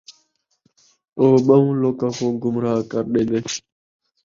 او ٻَہوں لوکاں کوں گمراہ کر ݙیندے